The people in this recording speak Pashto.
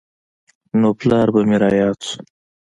نو پلار به مې راياد سو.